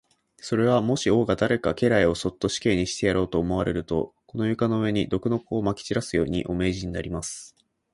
それは、もし王が誰か家来をそっと死刑にしてやろうと思われると、この床の上に、毒の粉をまき散らすように、お命じになります。